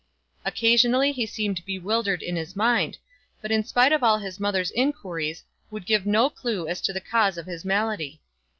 Occasionally, he seemed bewildered in his mind, but in spite of all his mother's inquiries would give no clue as to the cause of his malady.